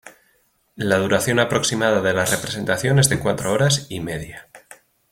La duración aproximada de la representación es de cuatro horas y media.